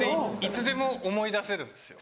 いつでも思い出せるんですよ。